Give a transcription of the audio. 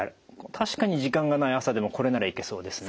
確かに時間がない朝でもこれならいけそうですね。